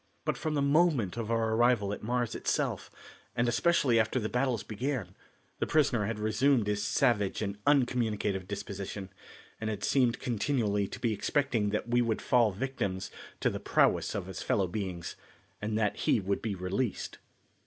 But from the moment of our arrival at Mars itself, and especially after the battles began, the prisoner had resumed his savage and uncommunicative disposition, and had seemed continually to be expecting that we would fall victims to the prowess of his fellow beings, and that he would be released.